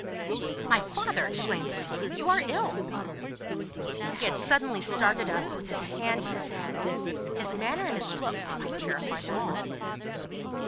"My father," exclaimed Lucie, "you are ill!" He had suddenly started up, with his hand to his head. His manner and his look quite terrified them all.